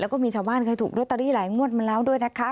แล้วก็มีชาวบ้านเคยถูกลอตเตอรี่หลายงวดมาแล้วด้วยนะคะ